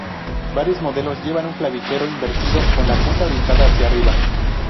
Varios modelos llevan un clavijero invertido, con la punta orientada hacia arriba.